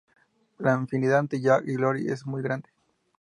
La afinidad entre Jack y Glory es muy grande.